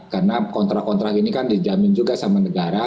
karena kontrak kontrak ini kan dijamin juga sama negara